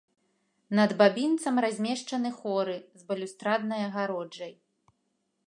Над бабінцам размешчаны хоры з балюстраднай агароджай.